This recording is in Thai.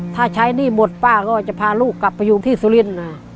ถ้าใช้หนี้หมดป้าจะพาลูกกลับมาอยู่ที่ศุลิญ